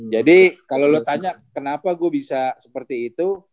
jadi kalau lo tanya kenapa gue bisa seperti itu